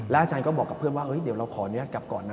อาจารย์ก็บอกกับเพื่อนว่าเดี๋ยวเราขออนุญาตกลับก่อนนะ